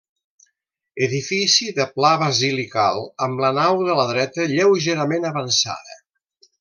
Edifici de pla basilical amb la nau de la dreta lleugerament avançada.